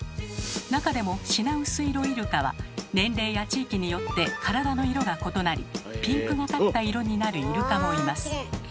中でもシナウスイロイルカは年齢や地域によって体の色が異なりピンクがかった色になるイルカもいます。